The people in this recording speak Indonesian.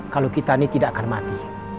kalau kita ini tidak akan mati